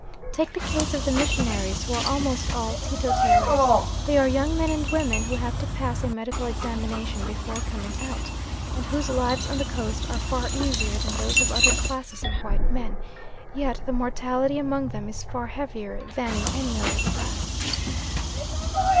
Take the case of the missionaries, who are almost all teetotalers, they are young men and women who have to pass a medical examination before coming out, and whose lives on the Coast are far easier than those of other classes of white men, yet the mortality among them is far heavier than in any other class.